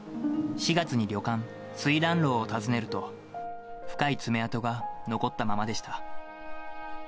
４月に旅館、翠嵐楼を訪ねると、深い爪痕が残ったままでした。